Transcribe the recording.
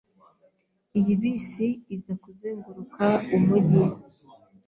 Iyi bisi izakuzenguruka umujyi.